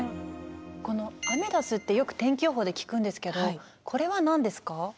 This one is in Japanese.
このアメダスってよく天気予報で聞くんですけどこれは何ですか？